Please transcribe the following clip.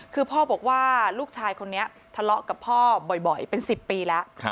คือพ่อบอกว่าลูกชายคนนี้ทะเลาะกับพ่อบ่อยเป็น๑๐ปีแล้ว